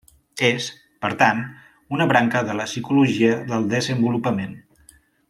És, per tant, una branca de la psicologia del desenvolupament.